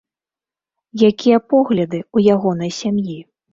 Якія погляды ў ягонай сям'і?